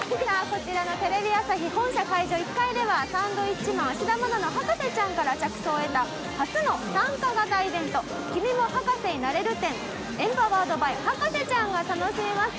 こちらのテレビ朝日本社会場１階では「サンドウィッチマン＆芦田愛菜の博士ちゃん」から着想を得た初の参加型イベント君も博士になれる展ｅｍｐｏｗｅｒｅｄｂｙ博士ちゃんが楽しめます。